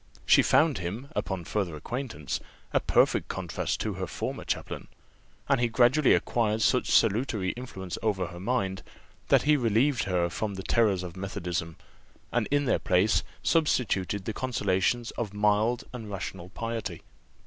She found him, upon farther acquaintance, a perfect contrast to her former chaplain; and he gradually acquired such salutary influence over her mind, that he relieved her from the terrors of methodism, and in their place substituted the consolations of mild and rational piety.